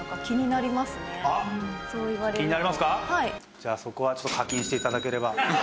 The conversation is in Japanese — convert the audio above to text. じゃあそこはちょっと課金して頂ければ。